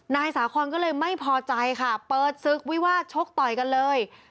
นายสาคอนก็เลยไม่พอใจค่ะเปิดศึกวิวาสชกต่อยกันเลย